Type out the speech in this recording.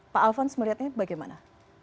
pak alphonse melihatnya bagaimana